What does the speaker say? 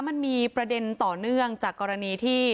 มันมีประเด็นต่อเนื่องจากกรณีที่